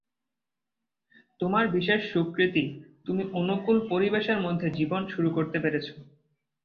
তোমার বিশেষ সুকৃতি, তুমি অনুকূল পরিবেশের মধ্যে জীবন শুরু করতে পেরেছ।